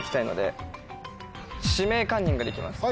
「指名カンニング」で行きます。